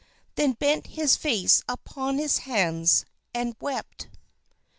Then bent his face upon his hands and wept.